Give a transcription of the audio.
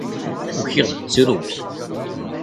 Ukiɣ-d ttruɣ.